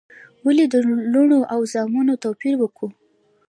ولي د لوڼو او زامنو توپیر وکو؟